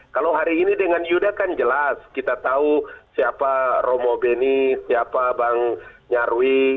kalau hari ini dengan yuda kan jelas kita tahu siapa romo beni siapa bang nyarwi